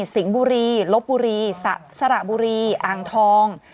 สิงห์บุรีลบบุรีสระบุรีอ่างทอง